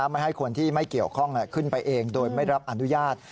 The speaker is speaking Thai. ไม่ให้คนที่ไม่เกี่ยวข้องขึ้นไปเองโดยไม่รับอนุญาต